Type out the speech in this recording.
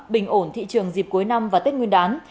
bình ổn thị trường dịp cuối năm và tết nguyên đán